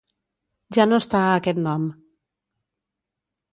Ja no està a aquest nom.